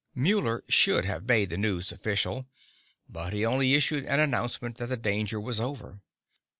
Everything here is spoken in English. Muller should have made the news official, but he only issued an announcement that the danger was over.